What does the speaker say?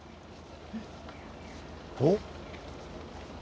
おっ。